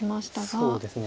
そうですね。